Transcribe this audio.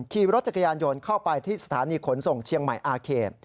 ขี่รถจักรยานยนต์เข้าไปที่สถานีขนส่งเชียงใหม่อาเขต